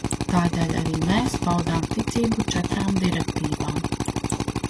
Tādēļ arī mēs paudām ticību četrām direktīvām.